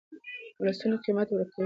ولسونه قیمت ورکوي.